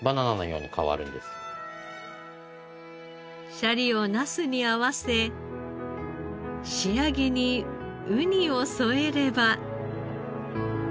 シャリをナスに合わせ仕上げにウニを添えれば。